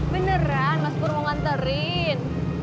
beneran mas pur mau nganterin